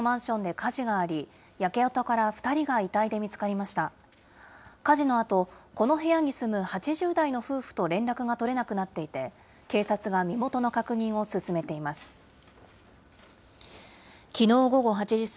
火事のあと、この部屋に住む８０代の夫婦と連絡が取れなくなっていて、警察が身元の確認を進めています。